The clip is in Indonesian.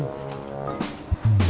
iko atau atem kum